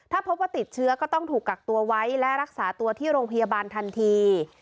ถ้าพบว่าติดเชื้อก็ต้องถูกกักตัวไว้และรักษาตัวที่โรงพยาบาลทันที